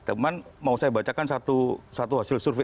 cuman mau saya bacakan satu hasil survei